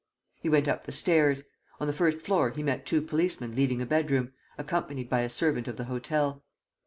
He went up the stairs. On the first floor he met two policemen leaving a bedroom, accompanied by a servant of the hotel.